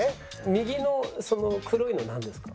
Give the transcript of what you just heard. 右のその黒いのなんですか？